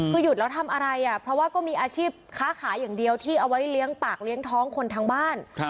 คือหยุดแล้วทำอะไรอ่ะเพราะว่าก็มีอาชีพค้าขายอย่างเดียวที่เอาไว้เลี้ยงปากเลี้ยงท้องคนทั้งบ้าน